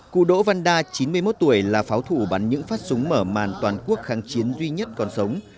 cụ đỗ văn đa chín mươi một tuổi là pháo thủ bắn những phát súng mở màn toàn quốc kháng chiến duy nhất còn sống